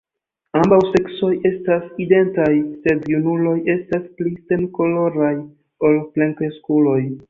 Ambaŭ seksoj estas identaj, sed junuloj estas pli senkoloraj ol plenkreskuloj.